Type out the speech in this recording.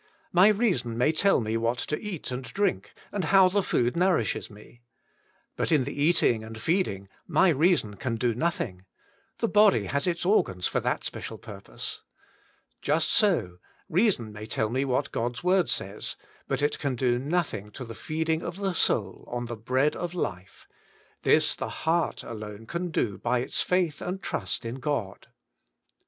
My reason may tell me what to eat and drink, and how the food nourishes me. But in the eating and feeding my reason can do nothing: the body has its organs for that special purpose. Just so, reason may tell me what God's word says, but it can do nothing to the feeding of the soul on the bread of life — this the heart alone can do by its faith and trust in God.